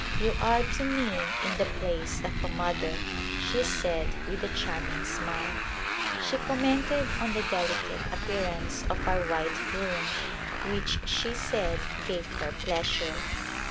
" You are to me in the place of a mother," she said with a charming smile. She commented on the delicate ap pearance of our " white room," which she said gave her pleasure.